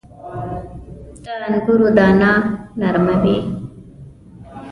• د انګورو دانه نرمه وي.